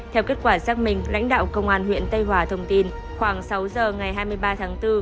theo kết quả xác minh lãnh đạo công an huyện tây hòa thông tin khoảng sáu giờ ngày hai mươi ba tháng bốn